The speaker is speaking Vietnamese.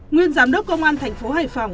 nguyên giám đốc công an thành phố hải phòng